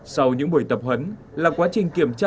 sau những buổi tập huấn là quá trình kiểm tra